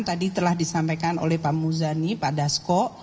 tadi telah disampaikan oleh pak muzani pak dasko